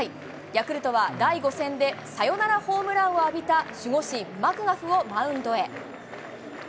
ヤクルトは第５戦でサヨナラホームランを浴びた守護神、マクガフをマウンドへ。